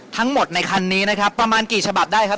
ทั้งหมดในคันนี้นะครับประมาณกี่ฉบับได้ครับ